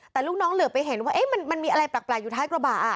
แต่ลูกน้องเหลือไปเห็นว่ามันมีอะไรแปลกอยู่ท้ายกระบะ